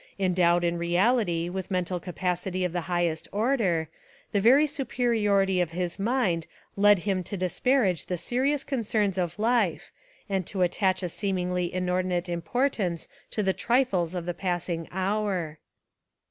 Endowed in reality with mental capacity of the highest order, the very superiority of his mind led him to disparage the serious concerns of life and to attach a seemingly inordinate importance to the trifles of the passing hour.